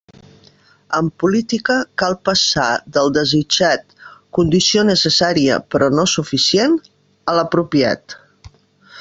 En política, cal passar del desitjat —condició necessària, però no suficient— a l'apropiat.